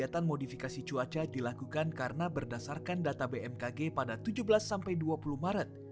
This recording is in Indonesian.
kegiatan modifikasi cuaca dilakukan karena berdasarkan data bmkg pada tujuh belas sampai dua puluh maret